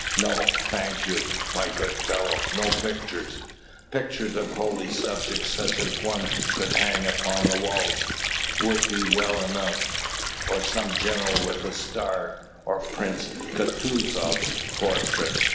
"No, thank you, my good fellow, no pictures. Pictures of holy subjects, such as one could hang upon the walls, would be well enough; or some general with a star, or Prince Kutusoff's portrait.